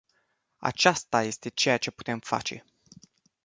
Aceasta este ceea ce putem face.